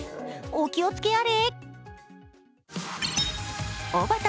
お気をつけあれ。